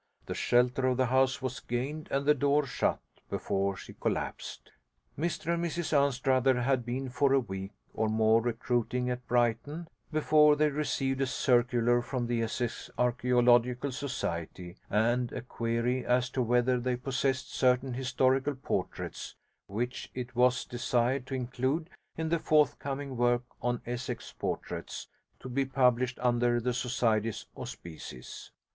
The shelter of the house was gained and the door shut before she collapsed. Mr and Mrs Anstruther had been for a week or more recruiting at Brighton before they received a circular from the Essex Archaeological Society, and a query as to whether they possessed certain historical portraits which it was desired to include in the forthcoming work on Essex Portraits, to be published under the Society's auspices.